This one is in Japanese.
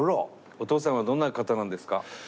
お父さんはどんな方なんですか？